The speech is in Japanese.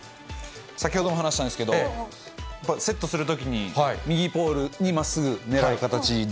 先ほども話したんですけど、セットするときに、右ポールにまっすぐ狙う形で。